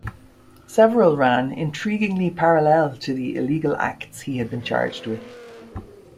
Several ran intriguingly 'parallel' to the illegal acts he had been charged with.